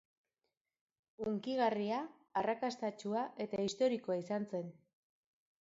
Hunkigarria, arrakastatsua eta historikoa izan zen.